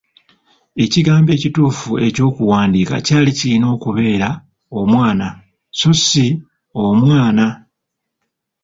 Ekigambo ekituufu eky’okuwandiika kyali kirina kubeera ‘omwana’ so si ‘omwaana.’